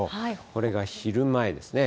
これが昼前ですね。